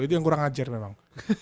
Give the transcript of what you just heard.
itu yang kurang ajar memang